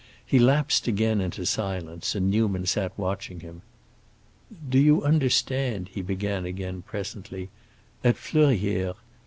He lapsed again into silence, and Newman sat watching him. "Do you understand?" he began again, presently. "At Fleurières.